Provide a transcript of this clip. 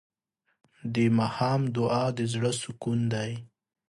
د ماښام دعا د زړه سکون دی.